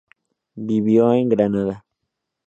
Vivió en Granada.